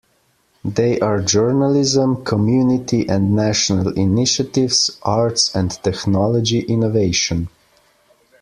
They are Journalism, Community and National Initiatives, Arts, and Technology Innovation.